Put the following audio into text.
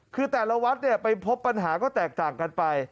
คือแต่ละวัดไปพบปัญหาก็แตกต่างกันไป